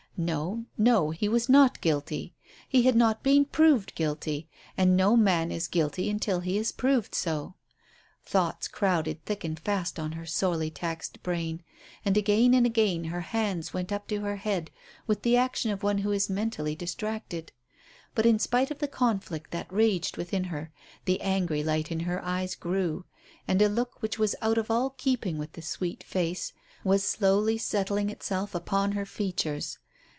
No, no, he was not guilty. He had not been proved guilty, and no man is guilty until he is proved so. Thoughts crowded thick and fast on her sorely taxed brain, and again and again her hands went up to her head with the action of one who is mentally distracted. But in spite of the conflict that raged within her the angry light in her eyes grew, and a look which was out of all keeping with the sweet face was slowly settling itself upon her features.